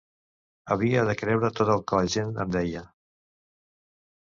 Havia de creure tot el que la gent em deia.